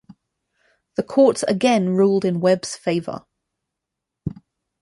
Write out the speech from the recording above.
The courts again ruled in Webb's favor.